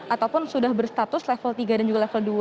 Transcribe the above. ataupun sudah berstatus level tiga dan juga level dua